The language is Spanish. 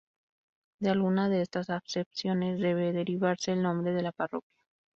De alguna de estas acepciones debe derivarse el nombre de la parroquia.